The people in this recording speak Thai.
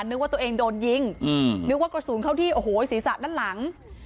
นึกว่าตัวเองโดนยิงนึกว่ากระสุนเข้าที่โอ้โหศีรษะด้านหลัง